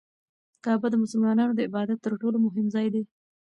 کعبه د مسلمانانو د عبادت تر ټولو مهم ځای دی.